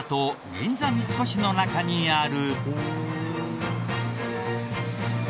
銀座三越の中にある。